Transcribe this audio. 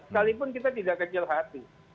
sekalipun kita tidak kecil hati